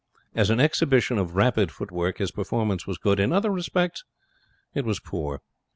As an exhibition of rapid footwork his performance was good. In other respects it was poor.